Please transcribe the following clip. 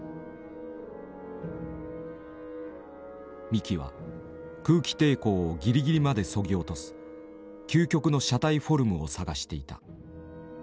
三木は空気抵抗をギリギリまでそぎ落とす究極の車体フォルムを探していた。